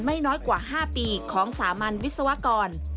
ไม่น้อยกว่า๕ปีของสามัญวิศวกร